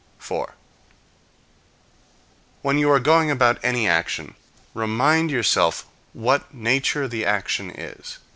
4. When you are going about any action, remind yourself what nature the action is.